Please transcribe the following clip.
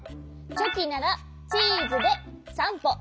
チョキならチーズで３ぽ。